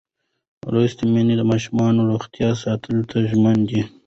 لوستې میندې د ماشوم روغتیا ساتلو ته ژمنه ده.